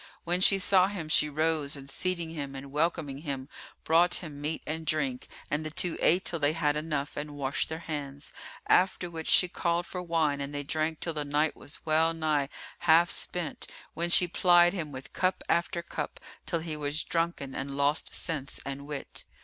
When she saw him, she rose and seating him and welcoming him brought him meat and drink and the two ate till they had enough and washed their hands; after which she called for wine and they drank till the night was well nigh half spent, when she plied him with cup after cup till he was drunken and lost sense[FN#343] and wit.